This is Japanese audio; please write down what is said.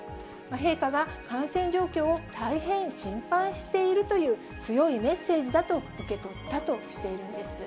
陛下が感染状況を大変心配しているという、強いメッセージだと受け取ったとしているんです。